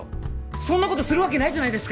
そんな事するわけないじゃないですか！